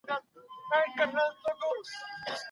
اولاد دی، او دلیل یې دا دی چي د حضرت سلیمان